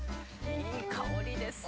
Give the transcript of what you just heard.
◆いい香りですよね。